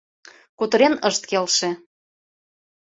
Кутырен ышт келше.